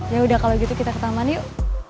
ya udah kalau gitu kita ke taman yuk